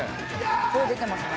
声出てますね。